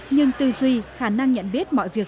nhưng tư duy khả năng nhận biết mọi việc